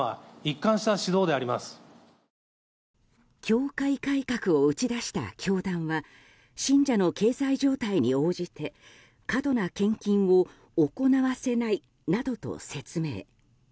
教会改革を打ち出した教団は信者の経済状態に応じて過度な献金を行わせないなどと説明。